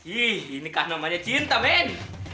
ih ini kan namanya cinta men